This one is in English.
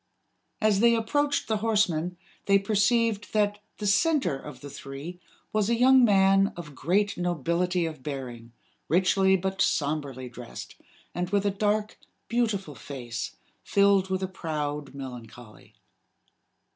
As they approached the horsemen, they perceived that the center of the three was a young man of great nobility of bearing, richly but somberly dressed, and with a dark, beautiful face filled with a proud melancholy.